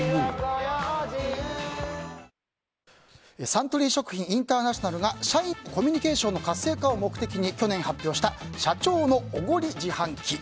サントリー食品インターナショナルが社員のコミュニケーションの活性化を目的に去年発表した社長のおごり自販機。